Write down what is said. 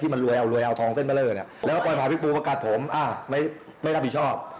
พอผมาพิษบูประกัดผมอ่ะไม่ได้รับผิดชอบ